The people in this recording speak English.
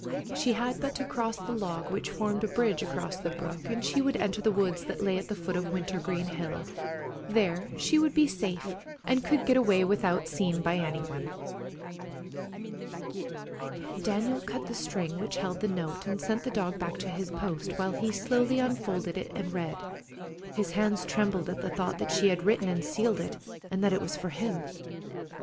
She had but to cross the log which formed a bridge across the brook and she would enter the woods that lay at the foot of Wintergreen Hill. There she would be safe and could get away without seen by any one. Daniel cut the string which held the note and sent the dog back to his post, while he slowly unfolded it and read, his hands trembling at the thought that she had written and sealed it, and that it was for him.